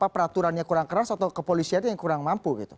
peraturannya kurang keras atau kepolisiannya yang kurang mampu